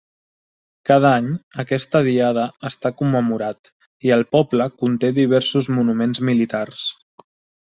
Cada any, aquesta diada està commemorat i el poble conté diversos monuments militars.